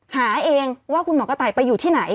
หาเองว่าคุณหมอกระต่ายไปอยู่ที่ไหน